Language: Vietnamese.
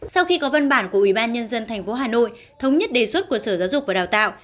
sau khi có văn bản của ủy ban nhân dân tp hà nội thống nhất đề xuất của sở giáo dục và đào tạo